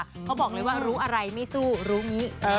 เขาบอกเลยว่ารู้อะไรไม่สู้รู้อย่างนี้